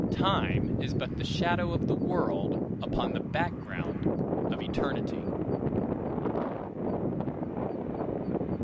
Time is but the shadow of the world upon the background of Eternity!"